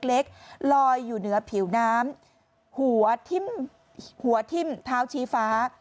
ตัวเล็กลอยอยู่เหนือผิวน้ำหัวทิ่มเท้าชี้ฟ้า